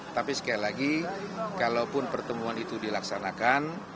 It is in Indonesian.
tapi sekali lagi kalaupun pertemuan itu dilaksanakan